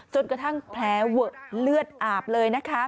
จนกระทั่งแผลเหลือดอาบเลย